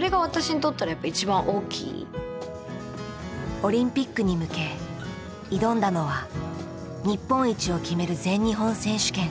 オリンピックに向け挑んだのは日本一を決める全日本選手権。